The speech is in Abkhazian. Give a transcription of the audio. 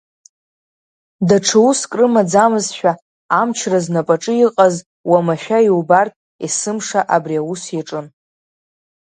Даҽа уск рымаӡамызшәа, амчра знапаҿы иҟаз уамашәа иубартә есымша абри аус иаҿын.